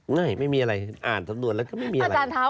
ไม่มีอะไรอ่านสำนวนแล้วก็ไม่มีอะไร